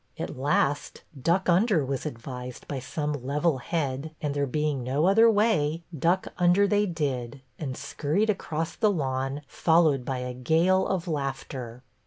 At last "Duck under" was advised by some level head, and there being no other way, duck under they did and scurried across the lawn, followed by a gale of laughter.